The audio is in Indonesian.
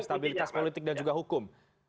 stabilitas politik dan juga hukum